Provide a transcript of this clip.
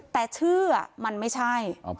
แต่ชื่อมันไม่ใช่